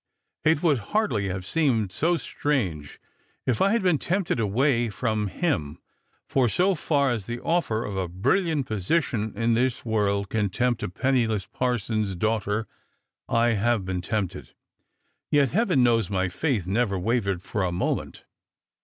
It would hardly have seemed so strange if I had been tempted away from him; for, so far as the otter of a brilliant position in this world can tempt a penniless parson's daughter, I have been tempted. Yet Heaven knows my faith never wavered for a moment.